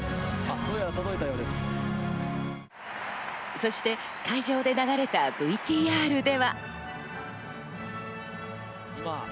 そして会場で流れたＶＴＲで。